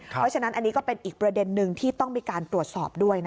เพราะฉะนั้นอันนี้ก็เป็นอีกประเด็นนึงที่ต้องมีการตรวจสอบด้วย